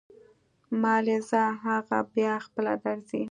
مالې ځه اغه بيا خپله درځي.